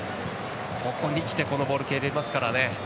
ここにきて、そのボールを蹴れますからね。